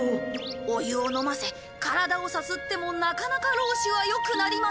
お湯を飲ませ体をさすってもなかなか老師はよくなりません。